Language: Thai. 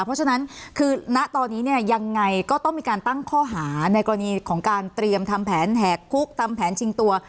เพราะฉะนั้นคือณตอนนี้เนี่ยยังไงก็ต้องมีการตั้งข้อหาในกรณีของการเตรียมทำแผนแหกคุกทำแผนชิงตัว